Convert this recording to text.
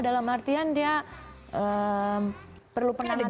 dalam artian dia perlu penanganan psikis